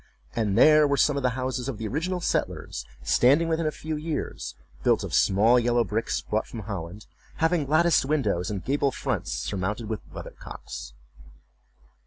and there were some of the houses of the original settlers standing within a few years, built of small yellow bricks brought from Holland, having latticed windows and gable fronts, surmounted with weather cocks.